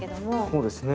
そうですね。